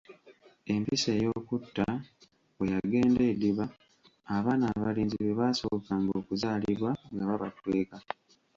Empisa ey’okutta bwe yagenda ediba, abaana abalenzi bwe baasookanga okuzaalibwa nga babakweka.